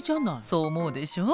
そう思うでしょ？